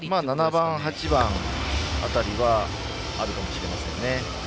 ７番、８番はあるかもしれません。